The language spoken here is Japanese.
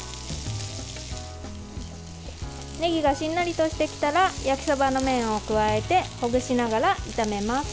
ねぎがしんなりとしてきたら焼きそばの麺を加えてほぐしながら炒めます。